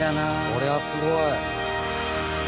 これはすごい。